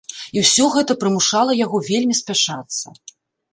І ўсё гэта прымушала яго вельмі спяшацца.